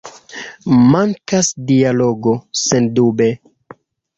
Mankas dialogo, sendube!